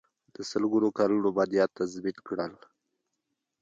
د سلګونو کلونو مادیات تضمین کړل.